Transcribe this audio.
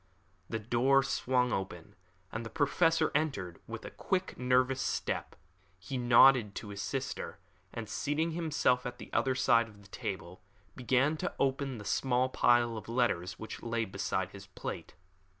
The door swung open, and the Professor entered with a quick, nervous step. He nodded to his sister, and seating himself at the other side of the table, began to open the small pile of letters which lay beside his plate.